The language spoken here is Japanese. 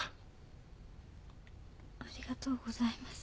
ありがとうございます。